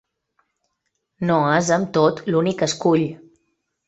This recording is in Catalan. No és, amb tot, l’únic escull.